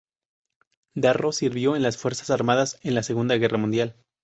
Darro sirvió en las fuerzas armadas en la Segunda Guerra Mundial.